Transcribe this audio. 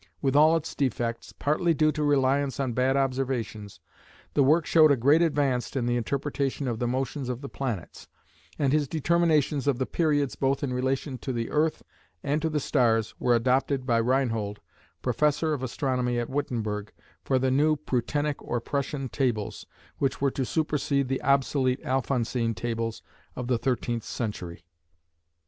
With all its defects, partly due to reliance on bad observations, the work showed a great advance in the interpretation of the motions of the planets; and his determinations of the periods both in relation to the earth and to the stars were adopted by Reinhold, Professor of Astronomy at Wittenberg, for the new Prutenic or Prussian Tables, which were to supersede the obsolete Alphonsine Tables of the thirteenth century.